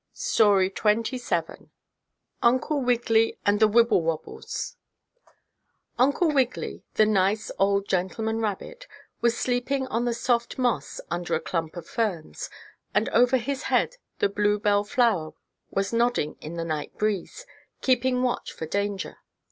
STORY XXVII UNCLE WIGGILY AND THE WIBBLEWOBBLES Uncle Wiggily, the nice old gentleman rabbit, was sleeping on the soft moss under a clump of ferns, and over his head the bluebell flower was nodding in the night breeze, keeping watch for danger.